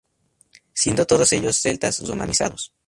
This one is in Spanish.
Siendo todos ellos celtas romanizados.